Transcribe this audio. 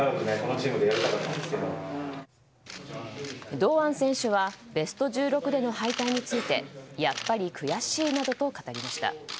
堂安選手はベスト１６での敗退についてやっぱり悔しいなどと語りました。